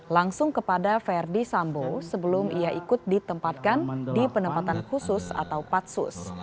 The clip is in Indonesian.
langsung kepada verdi sambo sebelum ia ikut ditempatkan di penempatan khusus atau patsus